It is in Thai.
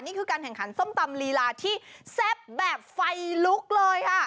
นี่คือการแข่งขันส้มตำลีลาที่แซ่บแบบไฟลุกเลยค่ะ